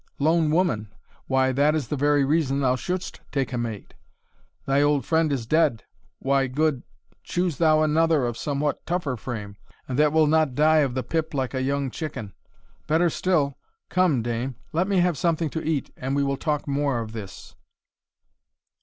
"Lone woman! why, that is the very reason thou shouldst take a mate. Thy old friend is dead, why, good choose thou another of somewhat tougher frame, and that will not die of the pip like a young chicken. Better still Come, dame, let me have something to eat, and we will talk more of this."